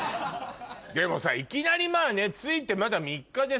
でもさいきなりまぁね着いてまだ３日でさ